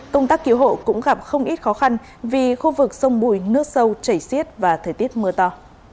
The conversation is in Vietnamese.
công tác cứu hộ cũng gặp không ít khó khăn vì khu vực sông bùi nước sâu chảy xiết và thời tiết mưa to